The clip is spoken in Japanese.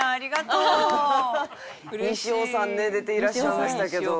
西尾さんね出ていらっしゃいましたけど。